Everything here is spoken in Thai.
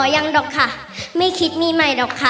ยังดอกค่ะไม่คิดมีใหม่หรอกค่ะ